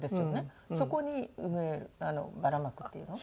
そこにばらまくっていうの？